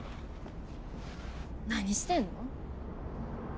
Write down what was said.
何してんの？